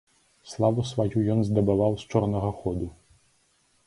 Славу сваю ён здабываў з чорнага ходу.